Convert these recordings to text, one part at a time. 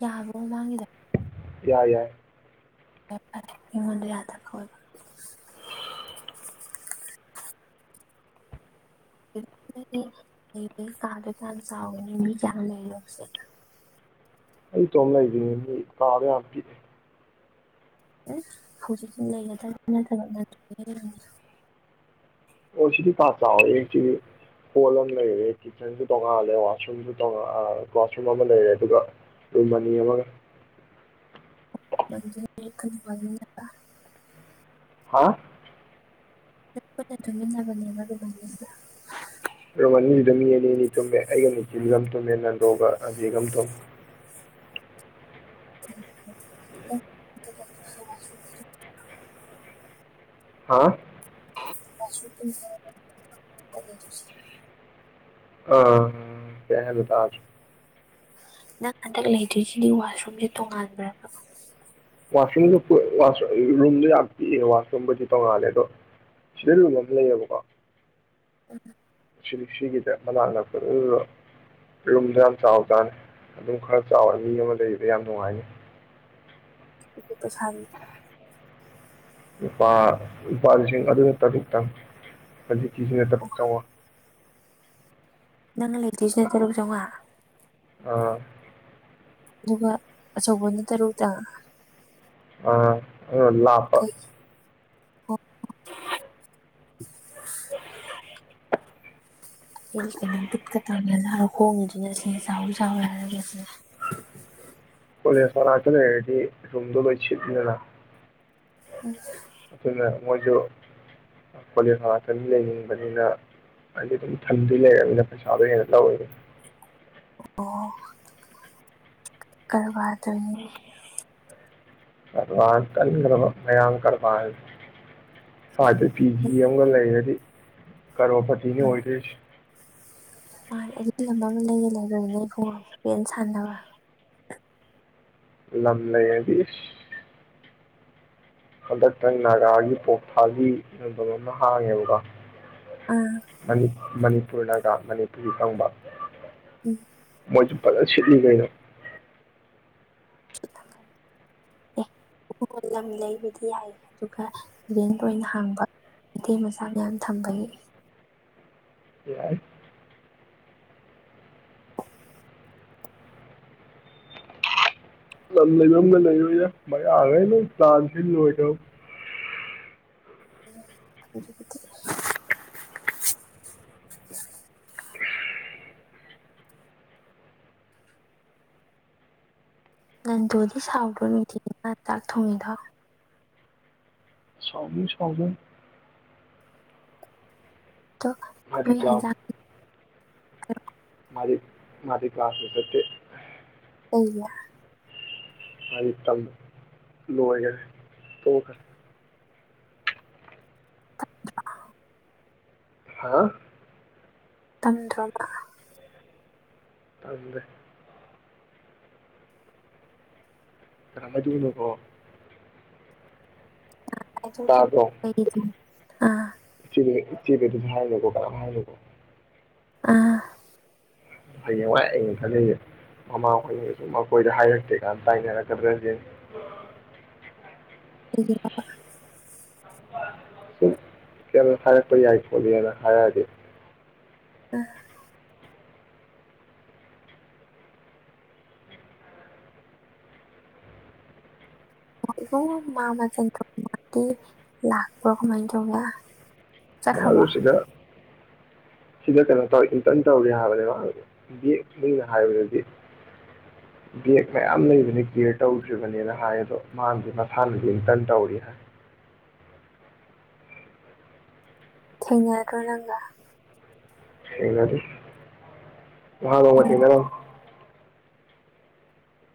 ꯌꯥꯕ ꯃꯃꯥꯡꯉꯗ ꯇ ꯌꯥꯏ ꯔꯃꯗ ꯌꯥꯗ ꯀ ꯑꯣꯏꯕ ꯀꯥꯗ ꯆꯥꯟꯁꯎꯅꯤ ꯀ ꯂꯩ ꯂꯁꯦ ꯑꯩ ꯆꯣꯡꯅ ꯂꯩ ꯀꯥꯗ ꯐ ꯂꯩꯒꯦ ꯊꯦ ꯊ ꯑꯣ ꯁꯤꯗꯤ ꯀꯥ ꯆꯥꯎꯋꯦ ꯁꯤꯗꯤ ꯍꯣꯜ ꯑꯃ ꯂꯩꯔꯦ ꯀꯤꯠꯆꯟꯁꯨ ꯇꯣꯡꯉꯥꯜꯂꯦ ꯋꯥꯁꯔꯨꯝꯁꯨ ꯇꯉ ꯀ꯭ꯂꯁꯔꯨꯝ ꯑꯃ ꯂꯩꯔꯦ ꯑꯗꯨꯒ ꯔꯨꯝ ꯑꯅꯤ ꯑꯃꯒ ꯃꯅ ꯍꯥ ꯄꯅꯦ ꯑꯗꯨꯟꯅꯒꯅꯤ ꯃꯔꯔꯅꯤ ꯔꯣꯃꯅꯤꯗꯨꯗ ꯃꯤ ꯑꯅꯤ ꯑꯅꯤ ꯇꯨꯝꯃꯦ ꯑꯩꯒ ꯅꯤꯊꯤꯜꯒ ꯇꯨꯝꯃꯦ ꯅꯟꯗꯣꯒ ꯑꯕꯤꯒ ꯑꯃ ꯇꯨꯝꯃꯦ [inaudible] ꯍꯥꯥ ꯁ ꯑ ꯀꯅ ꯑꯗꯨ ꯊꯥꯖ ꯅꯪ ꯍꯟꯗꯛ ꯂꯩꯗꯣꯏꯁꯤꯗꯤ ꯋꯥꯁꯔꯨꯝꯁꯦ ꯇꯣꯉꯥꯟꯕ꯭ꯔꯕ ꯋꯥꯁꯔꯨꯝꯗ ꯔꯨꯝꯗ ꯌꯥꯝ ꯄꯤꯛꯑ ꯋꯥꯁꯔꯨꯝꯕꯨꯗꯤ ꯇꯧꯔꯜꯂꯦ ꯑꯗꯣ ꯁꯤꯗ ꯔꯨꯝ ꯑꯃ ꯂꯩꯌꯦꯕꯀꯣ ꯎꯝ ꯁꯤꯂꯤꯁꯤꯒꯤꯗ ꯃꯅꯥꯛ ꯅꯛꯄꯗꯔꯨꯝꯁꯨ ꯌꯥꯝ ꯆꯥꯎꯖꯥꯅꯤ ꯑꯗꯨꯝ ꯈꯔ ꯆꯥꯎꯋꯦ ꯃꯤ ꯑꯃ ꯂꯩꯕꯗ ꯌꯥꯝ ꯅꯨꯡꯉꯥꯏꯅꯤ ꯑꯗꯨ ꯄꯁꯥꯟ ꯅꯨꯄꯥ ꯅꯨꯄꯥ ꯂꯤꯁꯤꯡ ꯑꯗꯨꯅꯛꯇꯛꯇꯪ ꯍꯧꯖꯤ ꯁꯤꯠꯇ ꯆ [unintelligible] ꯅꯪꯅ ꯂꯩꯇꯣꯏꯁꯤꯅ ꯇꯔꯨꯛ ꯆꯧꯉꯥ ꯑꯥ ꯑꯗꯨꯒ ꯑꯆꯧꯕꯅ ꯇꯔꯨꯛ ꯇ ꯑꯥ ꯑ ꯂꯥꯞ ꯄꯥ [unintelligible] [unintelligible] ꯑꯗꯨꯅ ꯃꯣꯏꯁꯨ ꯀꯣꯂꯦꯖ ꯉꯥꯛꯇ ꯂꯩꯅꯤꯡꯕꯅꯤꯅ ꯍꯥꯏꯗꯤ ꯑꯗꯨꯝ ꯊꯝꯗꯨꯏ ꯂꯩꯔꯕꯅꯤꯅ ꯄꯩꯁꯥꯗꯣ ꯍꯦꯟꯅ ꯂꯧꯋꯤꯅꯦ ꯑꯣ ꯀꯕꯥꯗꯅꯤ ꯀꯔꯕꯥꯔ ꯀꯟꯒ꯭ꯔꯕ ꯃꯌꯥꯡ ꯀꯔꯕꯥꯔ ꯁꯥꯗ꯭ꯔꯦ ꯄꯤ ꯖꯤ ꯑꯃꯒ ꯂꯩꯔꯗꯤ ꯀꯔꯣꯔ ꯄꯇꯤ ꯅꯦ ꯑꯣꯏꯗꯣꯏ ꯁꯦ [unintelligible] ꯁꯥꯟꯅꯕ ꯂꯝꯂꯩꯔꯗꯤ ꯍꯟꯗꯛꯇꯪ ꯅꯥꯒꯥꯒꯤ ꯄꯣꯛꯊꯥꯒꯤ ꯃꯐꯝ ꯑꯃ ꯍꯥꯡꯉꯦꯕꯀꯣ ꯑꯥ ꯃꯅꯤꯄꯨꯔꯅꯒꯥ ꯃꯅꯤꯄꯨꯔꯤ ꯐꯪꯕ ꯎꯝ ꯃꯣꯏꯁꯨ ꯄꯂ ꯁꯤꯠꯂꯤꯒꯗ ꯊꯒꯅꯤ ꯑꯦ ꯂꯝ ꯂꯩꯕꯗꯤ ꯌꯥꯏ ꯑꯗꯨꯒ ꯦꯟꯟ ꯍꯥꯡꯕ ꯃꯩꯇꯩ ꯃꯆꯥ ꯃꯌꯥꯝ ꯊꯝꯕꯒꯤ ꯌꯥꯏ ꯂꯝ ꯂꯩꯕꯒ ꯂꯩꯔꯣꯏ ꯌꯥ ꯃꯒ ꯅ ꯂꯥꯟꯁꯤ ꯂꯣꯏꯣꯏꯗ ꯑꯗꯨ ꯉꯟꯗꯣꯗꯤ ꯁꯥꯎꯕ꯭ꯔꯣ ꯅꯨꯡꯇꯤꯒꯤ ꯃꯥ ꯆꯥꯛ ꯊꯣꯡꯉꯤꯗꯣ ꯁꯥꯎꯕꯤ ꯁꯥꯎꯕꯤ ꯇꯣ ꯃꯥꯗꯤ ꯀ꯭ꯂꯥꯁ ꯑꯦꯖꯥ ꯀꯣ ꯃꯗꯤ ꯃꯗꯤ ꯀ꯭ꯂꯥꯁꯥꯁꯠꯇ ꯁ ꯑ ꯂꯦꯔꯦ ꯇ ꯈ [unintelligible] ꯍꯥ ꯇꯝꯗ꯭ꯔꯕ ꯇꯗ ꯗꯤꯅ ꯀꯣ ꯥꯏ [unintelligible] ꯑꯥ ꯆꯦ ꯑꯗꯨꯖꯒꯣ ꯀꯔ ꯍꯥꯏꯔꯖꯒꯣ ꯑꯥ ꯍꯌꯦꯡꯋꯥꯏ ꯑꯩꯅ ꯈꯜꯂꯤꯁꯦ ꯃꯃꯥ ꯍꯣꯏꯅꯁꯨ ꯑꯩꯣꯏꯗ ꯍꯥꯏꯔꯛꯇꯦ ꯀꯥꯟꯅ ꯇꯥꯏꯅꯔꯛꯀꯗ꯭ꯔꯁ ꯍꯕ ꯀ ꯍꯔꯦ ꯀ ꯍꯥꯏꯅ ꯍꯔꯦ ꯍꯥꯏꯗꯤ ꯑ ꯃꯥ ꯃꯦꯟ ꯊ ꯃꯗꯤ ꯂꯥꯛꯄꯔ ꯀꯃꯥꯏ ꯇꯧꯒ ꯃꯥꯁꯨ ꯁꯤꯗ ꯁꯤꯗ ꯀꯩꯅꯣ ꯇꯧ ꯏꯟꯇꯔꯟ ꯇꯧꯔꯤ ꯍꯥꯏꯕꯅꯦ ꯃꯥ ꯕꯦꯒꯅꯤꯅ ꯍꯥꯏꯕꯗꯗꯤ ꯕꯦꯒ ꯃꯌꯥꯝ ꯂꯩꯕꯅꯤ ꯀꯦꯌꯔ ꯇꯧꯗ꯭ꯔꯤꯕꯅꯦꯅ ꯍꯥꯏ ꯑꯗꯣ ꯃꯥꯅꯗꯤ ꯃꯁꯥꯅꯗꯤ ꯏꯟꯇꯔꯟ ꯇꯧꯔꯤ ꯍꯥꯏ ꯊꯦꯡꯉꯔꯣ ꯂꯪꯒ ꯁꯤꯗꯤ ꯍꯃ ꯊꯦꯡꯅꯔ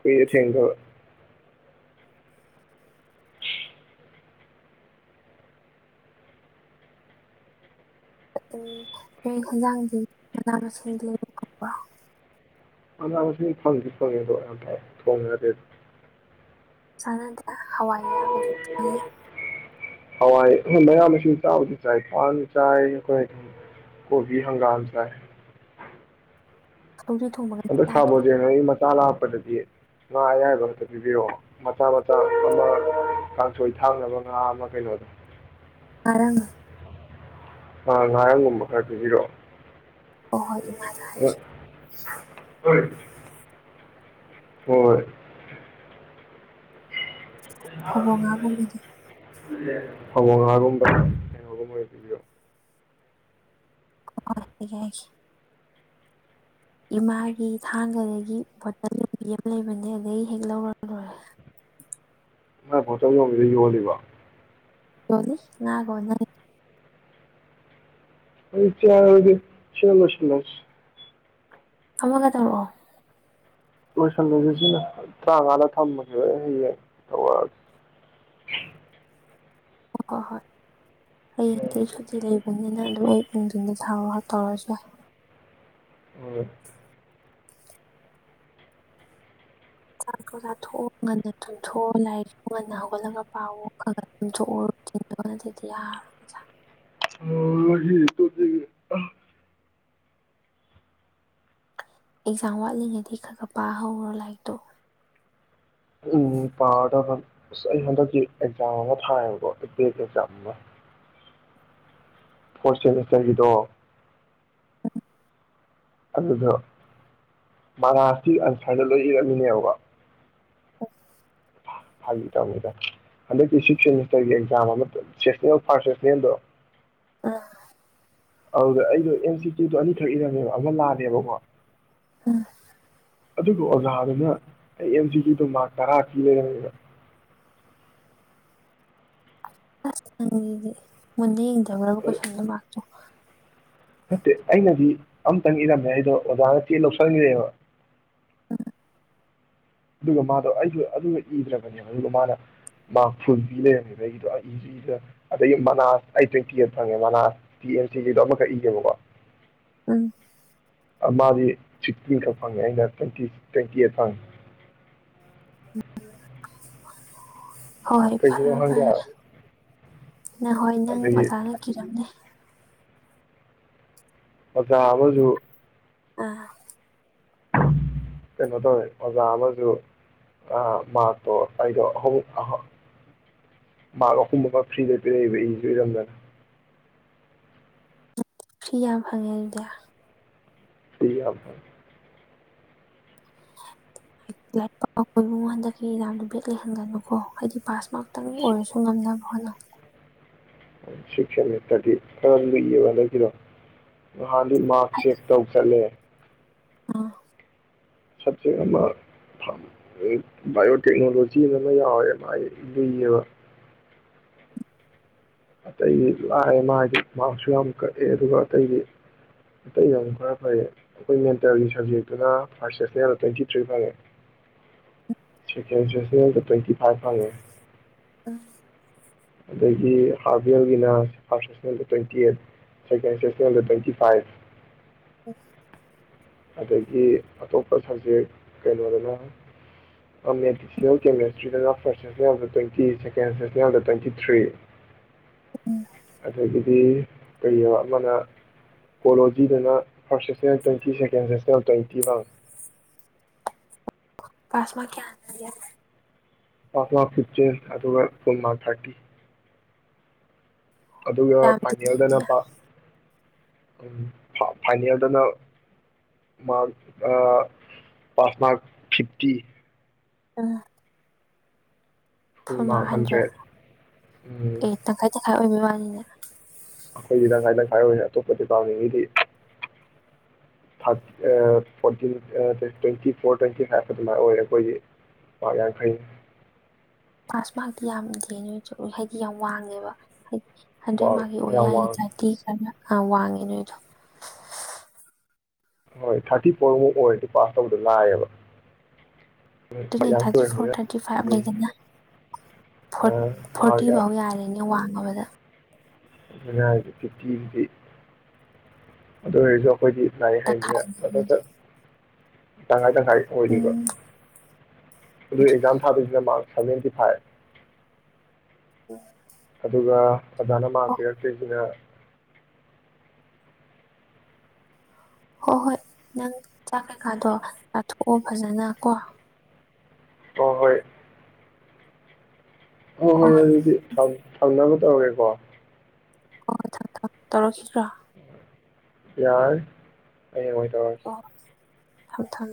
ꯀ ꯊꯦꯡꯒꯕ ꯅꯣꯏ ꯍꯟꯖꯥꯡꯁ ꯃꯅꯥ ꯃꯁꯤꯡ ꯂꯩꯔꯣ ꯑ ꯐꯪ ꯐꯉꯦ ꯊꯣꯡꯉ ꯆꯥꯅꯗꯦ ꯍꯋꯥꯏꯗꯣ ꯍꯋꯥꯏ ꯃꯌꯥꯝ ꯃꯁꯤꯡ ꯆꯥꯕꯗꯤ ꯆꯥꯏ ꯄꯥꯟ ꯆꯥꯏ ꯑꯩꯈꯣꯏ ꯀꯣꯕꯤ ꯍꯪꯒꯥꯝ ꯆꯥꯏ ꯁꯧꯒ꯭ꯔꯤ ꯊꯣꯡꯕꯒꯗꯤ ꯍꯟꯗꯛ ꯁꯔ ꯆꯥꯗ꯭ꯔꯦ ꯕ꯭ꯔꯣꯖꯦꯟ ꯍꯣꯏꯒꯤ ꯃꯆꯥ ꯂꯥꯛꯄ ꯄꯗꯗꯤ ꯉꯥ ꯑꯌꯥꯕ ꯑꯃꯝꯇ ꯄꯤꯕꯤꯔꯛꯑꯣ ꯃꯆꯥ ꯃꯆꯥ ꯑꯃ ꯀꯥꯡꯁꯣꯏ ꯊꯥꯡꯅꯕ ꯉꯥ ꯑꯃ ꯀꯩꯅꯣꯗꯣ ꯉꯔꯥꯡꯗꯣ ꯑ ꯉꯔꯥꯡꯒꯨꯝꯕ ꯈꯔ ꯄꯤꯕꯤꯔꯛꯑꯣ ꯍꯣꯏ ꯍꯣꯏ ꯏꯃꯥꯗ ꯑ ꯍꯥꯏꯒꯦ ꯍꯣꯏ ꯍꯣꯏ ꯍꯕꯒ ꯀꯗ ꯍ ꯉꯒꯨꯝꯕꯉꯒꯨꯝ ꯑꯣꯏꯣ ꯑꯣ ꯏꯃꯥꯒꯤ ꯊꯥꯡꯒꯗꯒꯤ ꯕꯣꯇꯜ ꯌꯣꯟꯕꯤ ꯑꯃ ꯂꯩꯕꯅꯦ ꯑꯗꯨꯗꯒꯤ ꯍꯦꯛ ꯂꯧꯔꯔꯦ ꯅꯪ ꯕꯣꯇꯟ ꯌꯣꯟꯕꯤꯗꯣ ꯌꯣꯜꯂꯤꯕꯣ ꯅꯤ ꯉꯒꯣꯅꯦ ꯑꯩ ꯁꯤ ꯂꯣꯏꯁꯤꯟꯂꯁꯤ ꯑꯃꯒ ꯇꯧꯔꯛꯑꯣ ꯂꯣꯏꯁꯟꯂꯁꯤ ꯁꯤꯅ ꯇꯔꯥꯉꯥꯗ ꯊꯝꯃꯒꯦ ꯍ ꯍꯌꯦꯡ ꯇꯧꯔꯛꯑꯒꯦ ꯍ ꯍꯣꯏ ꯍꯌꯦꯗꯤ ꯁꯨꯇꯤ ꯂꯩꯕꯅꯤ ꯅ ꯂꯣꯏ ꯅꯨꯡꯊꯤꯟꯗ ꯊꯥꯎꯔꯒ ꯇꯧꯔꯁꯨ ꯌꯥꯏ ꯍꯣꯏ ꯆꯥꯛꯇꯣ ꯆꯥꯊꯣꯛꯑꯣ ꯉꯟꯅ ꯇꯨꯝꯝꯊꯣꯛꯑꯣ ꯂꯥꯏꯔꯤꯛꯁꯨ ꯉꯟꯅ ꯍꯧꯒꯠꯂꯒ ꯄꯥꯎꯑꯣ ꯈ ꯈ ꯇꯨꯝꯝꯊꯣꯛꯎ ꯅꯨꯡꯊꯤꯟꯗꯣꯅ ꯑꯗꯨꯗꯤ ꯌꯥꯔꯔꯣꯏꯥ ꯑ ꯇ ꯑꯦꯛꯖꯥꯝ ꯋꯥꯠꯂꯤꯉꯩꯗꯤ ꯈ ꯈ ꯄꯥ ꯍꯧꯔꯣ ꯂꯥꯏꯔꯤꯛꯇꯣ ꯎꯝ ꯄꯥꯗꯧꯅꯤ ꯑꯁ ꯑꯩ ꯍꯟꯗꯛꯀꯤ ꯑꯦꯛꯖꯥꯝ ꯑꯃ ꯊꯥꯏꯌꯦꯕꯀꯣ ꯑꯦꯒꯤ ꯑꯦꯛꯖꯥꯝ ꯑꯃ ꯐꯣꯔꯠ ꯁꯦꯃꯤꯁꯇꯔꯒꯤꯗꯣ ꯎꯝ ꯑꯗꯨꯗꯣ ꯃꯔꯔꯥꯁꯤ ꯑꯟꯁꯔꯗ ꯂꯣꯏ ꯏꯔꯝꯃꯤꯅꯦꯕ ꯐꯥꯒꯤ ꯇꯧꯅꯤꯗ ꯍꯟꯗꯛꯀꯤ ꯁꯤꯛꯁ ꯁꯦꯃꯤꯁꯇꯔꯒꯤ ꯑꯦꯛꯖꯥꯝ ꯑꯃ ꯁꯦꯁꯅꯦꯜ ꯐꯥꯔ ꯁꯦꯁꯅꯦꯜꯗꯣ ꯑꯥ ꯑꯗꯨꯗ ꯑꯩꯗꯣ ꯑꯦꯟ ꯁꯤ ꯇꯤꯗꯣ ꯑꯅꯤꯈꯛ ꯏꯔꯝꯃꯦꯕ ꯑꯃ ꯂꯥꯑꯂꯦꯕꯀꯣ ꯎꯝ ꯑꯗꯨꯒ ꯑꯣꯖꯥꯗꯨꯅ ꯑꯩ ꯑꯦꯝ ꯁꯤꯒꯤꯗꯣ ꯃꯥꯔꯛ ꯇꯔꯥ ꯀ ꯂꯩꯔꯝꯃꯦꯕ ꯑ ꯍꯪꯗꯤ ꯃꯗꯦ ꯌꯦ ꯕꯨ ꯑꯗꯨ ꯀꯣꯏ ꯁꯗꯔ ꯃꯥꯥꯛꯆꯣ ꯅꯠꯇꯦ ꯑꯩꯅꯗꯤ ꯑꯝꯇꯪ ꯏꯔꯝꯃꯦ ꯑꯩꯗꯣ ꯑꯣꯖꯥꯅ ꯆꯦ ꯂꯧꯁꯟꯈꯔꯦꯕ ꯑꯗꯨꯒ ꯃꯥꯗꯣ ꯑꯩꯁꯨ ꯑꯗꯨꯒ ꯏꯗ꯭ꯔꯕꯅꯦꯕ ꯑꯗꯨꯒ ꯃꯥꯅ ꯃꯥ ꯐꯨꯜ ꯐꯤ ꯂꯩꯔꯝꯃꯦꯕ ꯑꯩꯒꯤꯗꯣ ꯑꯩꯁꯨꯗꯨꯗ ꯑꯗꯒꯤ ꯃꯅꯥꯁ ꯑꯩꯠ ꯇ꯭ꯋꯦꯟꯇꯤ ꯑꯩꯠ ꯐꯪꯉꯦ ꯃꯅꯥꯁ ꯇꯤ ꯑꯦꯝ ꯁꯤꯒꯤꯗꯣ ꯑꯃꯈꯛ ꯏꯌꯦꯦꯕꯀꯣ ꯎꯝ ꯃꯥꯗꯤ ꯆꯤꯀꯤ ꯈ ꯐꯪꯉꯦ ꯑꯩꯅ ꯇꯦꯡꯀꯤ ꯇꯦꯡꯀꯤ ꯐꯪ ꯎ ꯍꯣꯏ ꯀꯩꯒꯤꯅꯣ ꯐꯔ ꯈꯪꯗꯦ ꯐꯔ ꯍꯥꯏꯕ ꯅꯍꯣꯏ ꯅꯪ ꯑꯗꯒꯤ ꯑꯣꯖꯥꯅ ꯀꯤꯔꯝꯂ ꯑꯆꯥꯥꯕꯁꯨ ꯑꯥ ꯀꯩꯅꯣ ꯇꯧꯋꯦ ꯑꯣꯖꯥ ꯑꯃꯁꯨ ꯃꯥꯔꯛꯇꯣ ꯑꯩꯗꯣ ꯑꯍꯨꯝ ꯃꯥꯔꯛ ꯑꯍꯨꯝ ꯑꯃ ꯐ꯭ꯔꯤꯗ ꯄꯤꯔꯛꯏꯕ ꯏꯁꯨ ꯏꯔꯝꯗꯅ ꯐꯔꯤ ꯌꯥꯝ ꯐꯪꯉꯦꯗꯤꯌꯥ ꯁꯤ ꯌꯥꯝ ꯍꯟꯗꯛꯀꯤ ꯏꯗꯣ ꯕꯦꯛ ꯂꯩꯍꯟꯒꯅꯨꯀꯣ ꯍꯥꯏꯗꯤ ꯄꯥꯁꯃꯛ ꯈꯤꯇꯪ ꯑꯣꯏꯔꯁꯨ ꯉꯝꯅꯕ ꯍꯅ ꯁꯤꯁꯥꯗꯤ ꯀ ꯂꯂꯣ ꯍꯗꯤ ꯃꯥꯥꯛ ꯆꯦꯛ ꯇꯧ ꯆꯠꯂꯦ ꯑ ꯁꯞꯖꯦꯛ ꯑꯃ ꯕꯥꯏꯑꯣꯇꯦꯛꯅꯣꯂꯣꯖꯤ ꯑꯃ ꯑꯃ ꯌꯥꯎꯋꯦ ꯃꯥ ꯂꯩꯌꯦꯕ ꯑꯇꯩꯒꯤ ꯂꯥꯏꯑ ꯑꯃ ꯍꯥꯏꯗꯤ ꯃꯥꯔꯛꯁꯨ ꯌꯥꯝ ꯀꯛꯑꯦ ꯑꯗꯨꯒ ꯑꯇꯩꯗꯤ ꯑꯇꯩ ꯌꯥꯝ ꯈꯔ ꯐꯩꯌꯦ ꯑꯩꯈꯣꯏ ꯃꯦꯟꯇꯦꯜꯒꯤ ꯁꯕꯖꯦꯛꯇꯨꯅ ꯐꯥꯔꯁ ꯁꯦꯁꯅꯔꯗ ꯇ꯭ꯋꯦꯟꯇꯤ ꯊ꯭ꯔꯤ ꯐꯪꯉꯦ ꯁꯦꯀꯦꯟ ꯁꯦꯁꯅꯔꯗ ꯇ꯭ꯋꯦꯟꯇꯤ ꯐꯥꯏꯚ ꯐꯪꯉꯦ ꯎꯝ ꯑꯗꯒꯤ ꯑꯥꯔꯚ ꯑꯦꯜꯒꯤꯅ ꯐꯥꯔꯁ ꯁꯦꯁꯅꯦꯜꯗ ꯇ꯭ꯋꯦꯟꯇꯤ ꯑꯩꯠ ꯁꯦꯀꯦꯟ ꯁꯦꯁꯅꯦꯜꯗ ꯇ꯭ꯋꯦꯟꯇꯤ ꯐꯥꯏꯚ ꯑꯁ ꯑꯗꯒꯤ ꯑꯇꯣꯞꯄ ꯁꯕꯖꯦꯛ ꯀꯩꯅꯣꯗꯅ ꯃꯦꯗꯤꯁꯅꯦꯜ ꯀꯦꯃꯦꯁꯇ꯭ꯔꯤꯗꯅ ꯐꯥꯔꯁ ꯁꯦꯁꯅꯔ ꯑꯃꯗ ꯇ꯭ꯋꯦꯟꯇꯤ ꯁꯦꯀꯦꯟ ꯁꯦꯁꯅꯔꯗ ꯇ꯭ꯋꯦꯟꯇꯤ ꯊ꯭ꯔꯤ ꯎꯝ ꯑꯗꯒꯤꯗꯤ ꯀꯩ ꯍꯥꯏꯕ ꯑꯃꯅ ꯀꯣꯂꯣꯖꯤꯗꯅ ꯐꯥꯔꯁ ꯁꯦꯁꯇꯔ ꯇ꯭ꯋꯦꯟꯇꯤ ꯁꯦꯀꯦꯟ [unintelligible] ꯇꯇꯤꯗ ꯄꯥꯁꯃꯥ ꯀꯌꯥ ꯑꯌꯥ ꯄꯥꯁ ꯃꯥꯡ ꯐꯤꯞꯇꯤꯟ ꯑꯗꯨꯒ ꯐꯨꯟ ꯋꯥꯟ ꯊꯥꯔꯇꯤ ꯑꯗꯨꯒ ꯌꯥꯝꯗꯤ ꯄꯅꯤꯦꯜꯗꯅ ꯅꯦꯝꯗꯦ ꯄ ꯐꯥꯏꯅꯦꯜꯗꯅ ꯃꯥꯔꯛ ꯄꯥꯁ ꯃꯥꯔꯛ ꯐꯤꯐꯇꯤ ꯑ ꯐꯨꯜ ꯊꯨꯃ ꯃꯥꯔꯛ ꯍꯟꯗ꯭ꯔꯦ ꯍꯟꯗ꯭ꯔꯦꯠ ꯑꯦ ꯇꯪꯈꯥꯏ ꯇꯪꯈꯥꯏ ꯑꯣꯏꯕ ꯃꯅꯤꯅꯦ ꯑꯩꯈꯣꯏꯒꯤ ꯂꯪꯁꯥꯏ ꯇꯪꯁꯥꯏ ꯑꯣꯏꯔꯦ ꯑꯇꯣꯞꯄ ꯗꯤꯄꯥꯔꯠꯃꯦꯟꯒꯤꯗꯤ fourteen twenty four twenty five ꯑꯗꯨꯃꯥꯏ ꯑꯣꯏꯔꯦ ꯑꯩꯈꯣꯏꯒꯤ ꯄꯥꯛ ꯌꯥꯡꯈꯩꯅꯤ ꯄꯥꯁ ꯃꯥꯔꯛꯇꯤ ꯌꯥꯝ ꯗꯦꯅꯦ ꯅꯣꯏꯗꯣ ꯍꯥꯏꯗꯤ ꯌꯥꯝ ꯋꯥꯡꯉꯦꯕ ꯍꯥꯏꯗꯤ ꯃꯥꯔꯛ ꯌꯥꯝ ꯋꯥꯡꯉꯦ [unintelligible] ꯌꯥꯝ ꯋꯥꯡꯉꯤ ꯅꯣꯏꯗꯣ ꯍꯣꯏ ꯊꯥꯔꯇꯤ ꯐꯣꯔ ꯐꯨ ꯑꯣꯏꯔꯗꯤ ꯄꯥꯁ ꯇꯧꯕꯗꯨ ꯂꯥꯛꯌꯦꯕ ꯑꯗꯨꯅꯦ ꯊꯥꯔꯇꯤ ꯐꯣꯔ ꯊꯥꯔꯇꯤ ꯐꯥꯏꯚ ꯂꯩꯗꯅ ꯐꯣꯔꯇꯤ ꯃꯥꯔꯛ ꯐꯥꯎ ꯌꯥꯔꯦꯅꯦ ꯋꯥꯟ [unintelligible] ꯑꯗꯨꯅꯤ ꯍꯥꯏꯁꯦ ꯒꯤꯕꯇꯤꯗꯤ ꯑꯗꯨ ꯑꯣꯏꯔꯁꯨ ꯑꯩꯈꯣꯏꯗꯤ ꯂꯥꯏꯔꯤꯛ ꯍꯥꯏꯅꯤꯅ ꯇꯪꯈꯥꯏ ꯁꯇ꯭ ꯁꯠ ꯁꯠ ꯇꯉꯥꯏ [unintelligible] [unintelligible] ꯑꯣꯏꯔꯤꯕ ꯎꯝ ꯑꯗꯨ ꯑꯦꯛꯖꯥꯝ ꯊꯥꯗꯣꯏꯁꯤꯅ ꯃꯥꯛ ꯁꯚꯦꯟꯇꯤ ꯐꯥꯏꯚ ꯎ ꯑꯗꯨꯒ ꯑꯙꯅ ꯃꯥꯛ ꯄꯤꯔꯛꯇꯣꯏꯁꯤꯅ ꯍꯣꯏ ꯍꯣꯏ ꯅꯪ ꯆꯥꯛ ꯀꯩꯀꯥꯗꯣ ꯀꯥꯊꯣꯛꯑꯣ ꯐꯖꯅ ꯀꯣ ꯑ ꯍꯣꯏ ꯍꯣꯏ ꯍꯣꯏ ꯑꯗꯨꯗꯤ ꯊꯥꯝ ꯊꯝꯅꯕ ꯇꯧꯔꯦ ꯀꯦ [unintelligible] ꯇꯔꯛꯈꯤꯗꯔꯥ ꯌꯥꯔꯅꯤ ꯍꯌꯦꯪ ꯑꯣꯏꯅ ꯇꯧꯔꯁꯤ ꯊꯕ ꯊꯝ